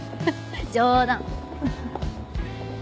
冗談。